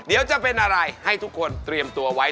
เดี๋ยวจะเป็นอะไรให้ทุกคนเตรียมตัวไว้